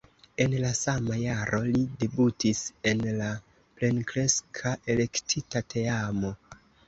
En la sama jaro li debutis en la plenkreska elektita teamo.